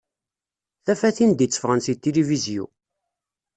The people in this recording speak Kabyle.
Tafatin d-itteffɣen si tilifizyu.